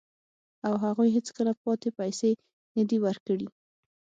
او هغوی هیڅکله پاتې پیسې نه دي ورکړي